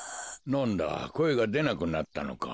なんだこえがでなくなったのか。